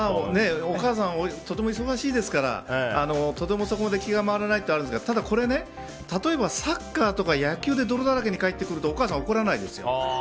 お母さんとても忙しいですからとても、そこまで気が回らないのはありますがただ、これは例えばサッカーとか野球で泥だけになって帰ってくるとお母さんは怒らないですよ。